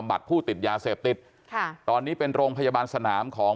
บัตรผู้ติดยาเสพติดค่ะตอนนี้เป็นโรงพยาบาลสนามของ